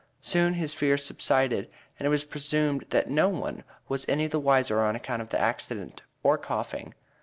Soon his fears subsided, and it was presumed that no one was any the wiser on account of the accident, or coughing.